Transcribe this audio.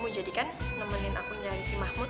jadi kan nemenin aku nyari si mahmud